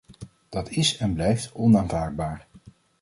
Dat is en blijft onaanvaardbaar.